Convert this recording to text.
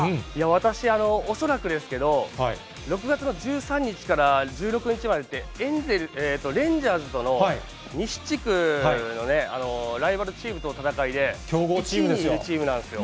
私、恐らくですけど、６月の１３日から１６日までって、レンジャーズとの西地区のね、ライバルチームとの戦いで、１位にいるチームなんですよ。